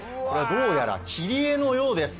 どうやら切り絵のようです。